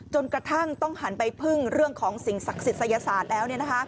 จนกระทั่งต้องหันไปพึ่งเรื่องของสิ่งศักดิ์สิทธิศาสตร์แล้ว